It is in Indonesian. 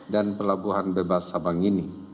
dan pelabuhan bebas sabang ini